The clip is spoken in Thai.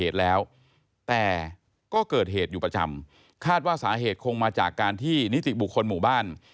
แต่ก็เกิดเหตุอยู่ประจำคาดว่าสาเหตุคงมาจากการที่นิติบุคคลหมู่บ้าน